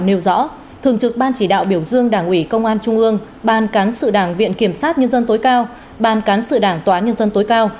nêu rõ thường trực ban chỉ đạo biểu dương đảng ủy công an trung ương ban cán sự đảng viện kiểm sát nhân dân tối cao ban cán sự đảng tòa án nhân dân tối cao